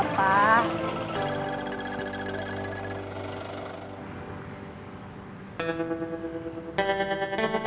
ini tak ada yang nanya